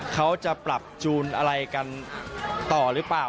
เขาจะปรับจูนอะไรกันต่อหรือเปล่า